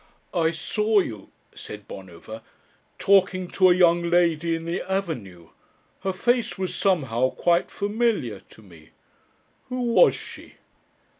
"I saw you," said Bonover, "talking to a young lady in the avenue. Her face was somehow quite familiar to me. Who was she?"